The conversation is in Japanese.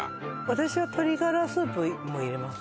私は鶏ガラスープも入れます